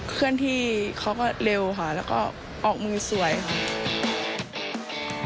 เคลื่อนที่เขาก็เร็วค่ะแล้วก็ออกมือสวยค่ะ